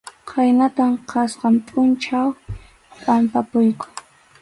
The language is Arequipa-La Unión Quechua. Khaynatam kasqan pʼunchaw pʼampapuyku.